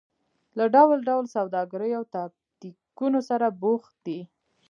له ډول ډول سوداګریو او تاکتیکونو سره بوخت دي.